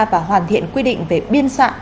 và hoàn thiện quy định về biên soạn